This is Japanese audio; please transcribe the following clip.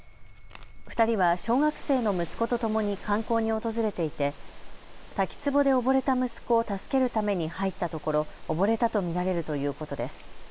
２人は小学生の息子とともに観光に訪れていて滝つぼで溺れた息子を助けるために入ったところ溺れたと見られるということです。